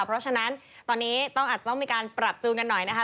เพราะฉะนั้นตอนนี้อาจจะต้องมีการปรับจูนกันหน่อยนะคะ